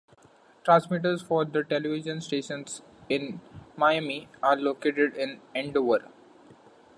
Transmitters for the television stations in Miami are located in Andover.